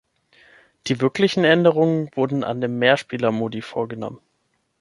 Die wirklichen Änderungen wurden an den Mehrspieler-Modi vorgenommen.